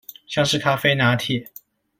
像是咖啡拿鐵